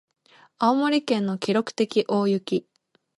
青森県の記録的大雪